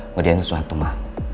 ngediain sesuatu ma